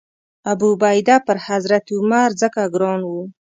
ابوعبیده پر حضرت عمر ځکه ګران و.